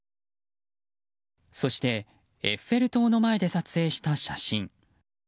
そして、エッフェル塔の前で撮影した写真。